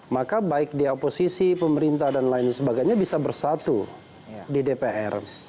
maka baik di oposisi pemerintah dan lain sebagainya bisa bersatu di dpr